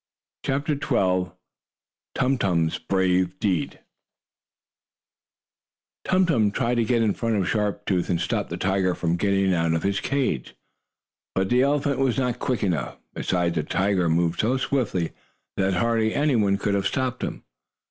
CHAPTER XII TUM TUM'S BRAVE DEED Tum Tum tried to get in front of Sharp Tooth and stop the tiger from getting out of his cage, but the big elephant was not quick enough. Besides, the tiger moved so swiftly, that hardly any one could have stopped him.